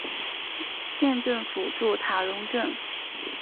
县政府驻塔荣镇。